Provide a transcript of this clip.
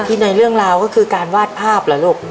ในเรื่องราวก็คือการวาดภาพเหรอลูก